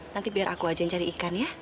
nanti biar aku aja yang cari ikan ya